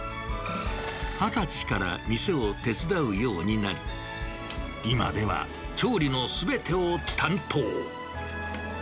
２０歳から店を手伝うようになり、今では調理のすべてを担当。